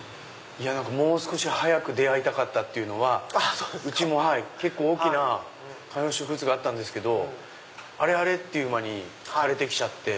もう少し早く出会いたかったっていうのはうちも結構大きな観葉植物があったんですけどあれあれ⁉っていう間に枯れてきちゃって。